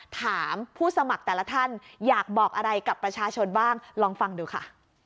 ถามผู้สมัครแต่ละท่านอยากบอกอะไรกับประชาชนบ้างลองฟังดูค่ะ